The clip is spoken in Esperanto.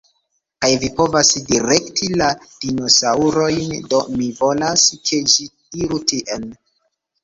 Kaj vi povas direkti la dinosaŭrojn, do mi volas, ke ĝi iru tien.